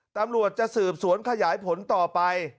ตำรวจจะสืบสวนขยายผลต่อไป